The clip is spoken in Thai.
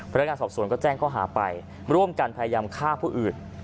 พนักงานสอบสวนก็แจ้งข้อหาไปร่วมกันพยายามฆ่าผู้อื่น